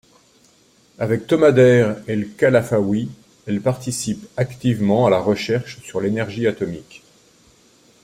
Avec Tomader el-Khalafawi, elle participe activement à la recherche sur l'énergie atomique.